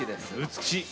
美しい！